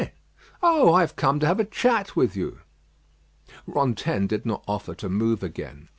Oh, I have come to have a chat with you." Rantaine did not offer to move again.